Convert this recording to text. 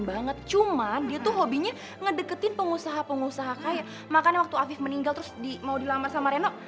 banget cuman dia tuh hobinya ngedeketin pengusaha pengusaha kaya makanya waktu afif meninggal terus mau di lamar sama reno